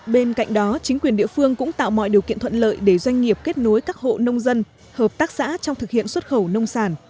bên cạnh đó chính quyền địa phương cũng tạo mọi điều kiện thuận lợi để doanh nghiệp kết nối các hộ nông dân hợp tác xã trong thực hiện xuất khẩu nông sản